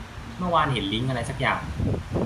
เมื่อวานเห็นลิงก์อะไรซักอย่าง